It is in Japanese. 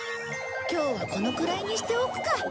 今日はこのくらいにしておくか。